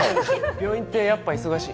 病院ってやっぱ忙しい？